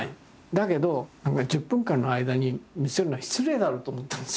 だけど１０分間の間に見せるのは失礼だろうと思ったんですよ。